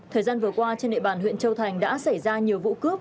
thời gian vừa qua trên nệ bản huyện châu thành đã xảy ra nhiều vụ cướp